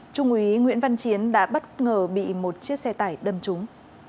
trung úy nguyễn văn chiến đã bất ngờ bị một chiếc xe tải đâm trúng